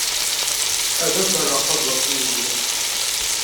Ad as-rreɣ tablaḍt i wul.